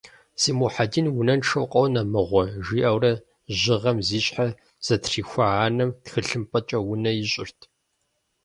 «Си Мухьэдин унэншэу къонэ мыгъуэ», жиӏэурэ жьыгъэм зи щхьэ зэтрихуа анэм тхылъымпӏэкӏэ унэ ищӏырт.